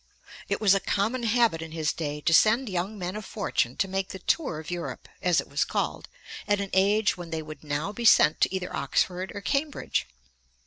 It was a common habit in his day to send young men of fortune to make the tour of Europe, as it was called, at an age when they would now be sent to either Oxford or Cambridge.